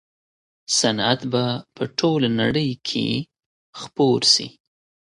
صنعت به په ټوله نړۍ کي خپور سي.